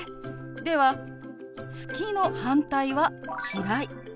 では「好き」の反対は「嫌い」。